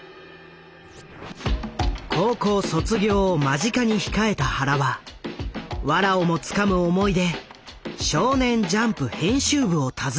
高校卒業を間近に控えた原はわらをもつかむ思いで少年ジャンプ編集部を訪ねた。